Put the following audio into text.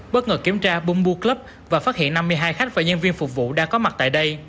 bất ngờ kiểm tra bumboo club và phát hiện năm mươi hai khách và nhân viên phục vụ đang có mặt tại đây